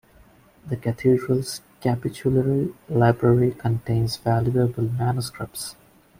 The cathedral's Capitulary Library contains valuable manuscripts.